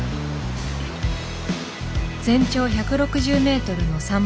全長１６０メートルの桟橋。